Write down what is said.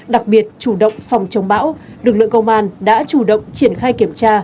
đặc biệt chủ động phòng chống bão lực lượng công an đã chủ động triển khai kiểm tra